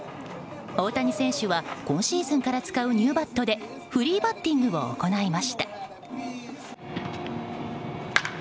大谷選手は、今シーズンから使うニューバットでフリーバッティングを行いました。